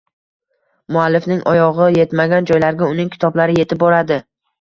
muallifning oyog‘i yetmagan joylarga uning kitoblari yetib boradi.